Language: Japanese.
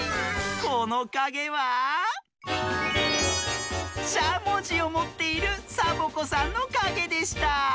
このかげはしゃもじをもっているサボ子さんのかげでした。